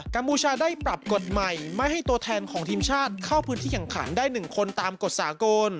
พูชาได้ปรับกฎใหม่ไม่ให้ตัวแทนของทีมชาติเข้าพื้นที่แข่งขันได้๑คนตามกฎสากล